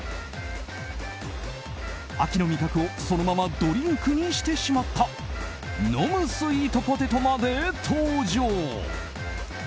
秋の味覚を、そのままドリンクにしてしまった飲むスイートポテトまで登場。